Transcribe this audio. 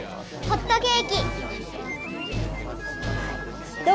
ホットケーキ？